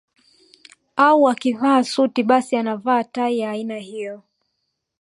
Au akivaa suti basi anavaa tai ya aina hiyo